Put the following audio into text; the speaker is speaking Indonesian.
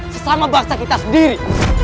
sesama bangsa kita sendiri